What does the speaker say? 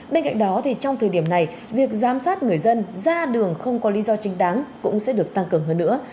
bên cạnh đó trong thời điểm này việc giám sát người dân ra đường không có lý do chính đáng cũng sẽ được tăng cường hơn nữa